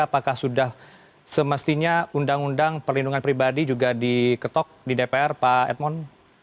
apakah sudah semestinya undang undang perlindungan pribadi juga diketok di dpr pak edmond